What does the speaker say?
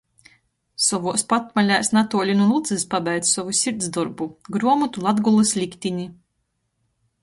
Sovuos patmalēs natuoli nu Ludzys pabeidz sovu sirds dorbu — gruomotu "Latgolys liktini".